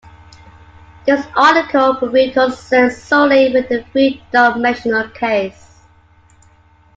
This article will be concerned solely with the three dimensional case.